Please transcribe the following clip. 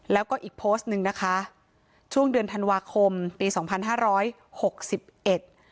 แล้วก็อีกโพสต์หนึ่งนะคะช่วงเดือนธันวาคมปีสองพันห้าร้อยหกสิบเอ็ด